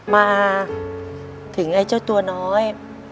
มาถึงไอ้เจ้าตัวน้อย